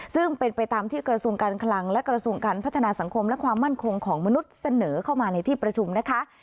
ซึ่งเป็นไปตามที่กระทรวงการคลังและกระทรวงการพัฒนาสังคมและความมั่นคงของมนุษย์เสนอเข้ามาในที่ประชุมนะคะ